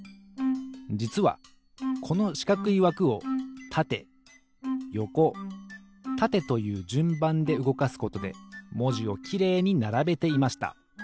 じつはこのしかくいわくをたてよこたてというじゅんばんでうごかすことでもじをきれいにならべていました。